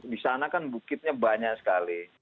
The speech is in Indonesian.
di sana kan bukitnya banyak sekali